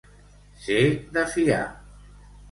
Ser de fiar.